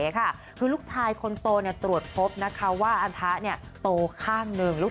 คือลูกชายคนโตตรวจพบกรณีหลังนั้นว่าอันท้าโตข้างหนึ่ง